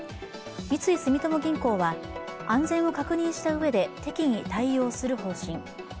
三井住友銀行は、安全を確認したうえで適宜対応する方針。